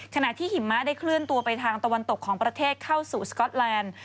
ขณะที่หิมะได้เคลื่อนตัวไปทางตะวันตกของประเทศเข้าสู่สก๊อตแลนด์